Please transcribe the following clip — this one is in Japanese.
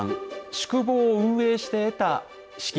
宿坊を運営して得た資金